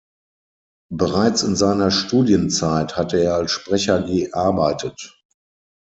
Bereits in seiner Studienzeit hatte er als Sprecher gearbeitet.